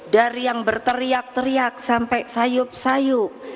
dari yang berteriak teriak sampai sayup sayup